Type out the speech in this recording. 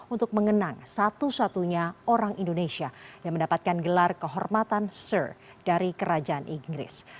untuk mengenang satu satunya orang indonesia yang mendapatkan gelar kehormatan sur dari kerajaan inggris